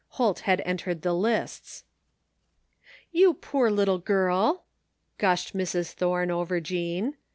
Holt had entered the lists. " You poor little girl," gushed Mrs. Thome over Jean.